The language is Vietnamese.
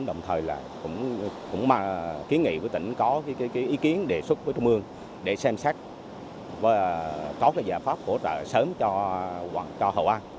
đồng thời cũng ký nghị với tỉnh có ý kiến đề xuất với trung ương để xem xét có giải pháp hỗ trợ sớm cho hội an